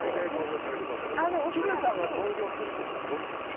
金さんが投票するとしたらどっちなの？